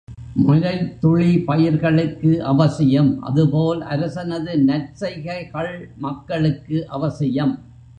மழைத்துளி பயிர்களுக்கு அவசியம் அதுபோல் அரசனது நற்செய்கைகள் மக்களுக்கு அவசியம்.